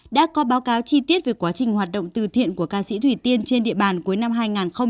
đã có báo cáo chi tiết về quá trình hoạt động từ thiện của ca sĩ thủy tiên trên địa bàn cuối năm hai nghìn một mươi tám